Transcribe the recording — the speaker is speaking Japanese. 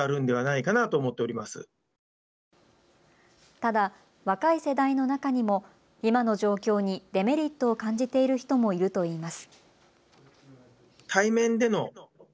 ただ若い世代の中にも今の状況にデメリットを感じている人もいるといいます。